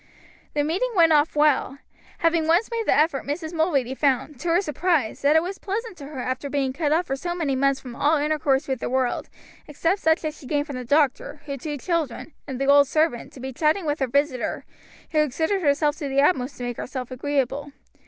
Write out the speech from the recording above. The meeting went off well. Having once made the effort Mrs. Mulready found, to her surprise, that it was pleasant to her after being cut off for so many months from all intercourse with the world, except such as she gained from the doctor, her two children, and the old servant, to be chatting with her visitor, who exerted herself to the utmost to make herself agreeable.